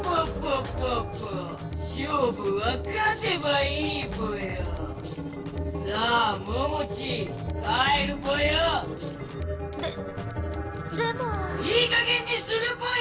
いいかげんにするぽよ！